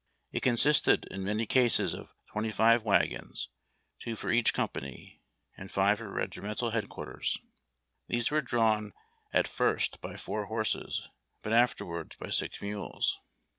It consisted, in many cases, of twenty five wagons, two for each company, and five for regimental headquarters. These were drawn at first by four horses, but afterwards by six mules.